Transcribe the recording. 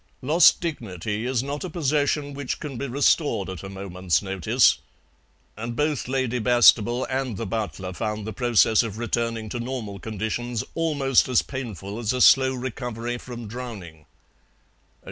Lost dignity is not a possession which can be restored at a moment's notice, and both Lady Bastable and the butler found the process of returning to normal conditions almost as painful as a slow recovery from drowning.